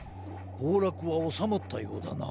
ほうらくはおさまったようだな。